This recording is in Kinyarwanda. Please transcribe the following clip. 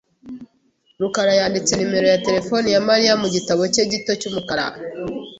rukara yanditse nimero ya terefone ya Mariya mu gitabo cye gito cy'umukara .